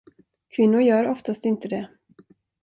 Kvinnor gör oftast inte det.